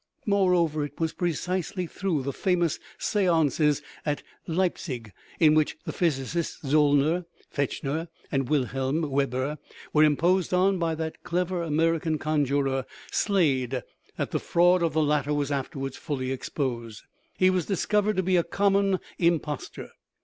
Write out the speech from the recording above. Moreover, it was precisely through the famous seances at Leipzig, in which the physicists, Zollner, Fechner, and Wilhelm Weber, were imposed on by the clever American con juror, Slade, that the fraud of the latter was afterwards fully exposed ; he was discovered to be a common im postor.